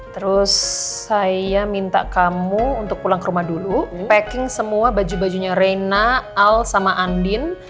terus saya minta kamu untuk pulang ke rumah dulu packing semua baju bajunya reina al sama andin